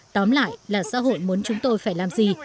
tóm lại là xã hội muốn chúng tôi phải làm gì